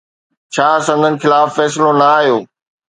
ڇا سندن خلاف فيصلو نه آيو؟